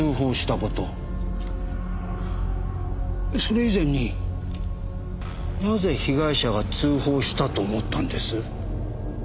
それ以前になぜ被害者が通報したと思ったんです？